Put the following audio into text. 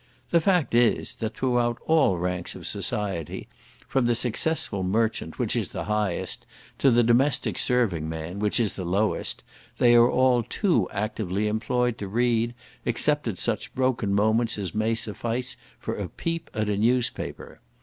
The fact is, that throughout all ranks of society, from the successful merchant, which is the highest, to the domestic serving man, which is the lowest, they are all too actively employed to read, except at such broken moments as may suffice for a peep at a newspaper.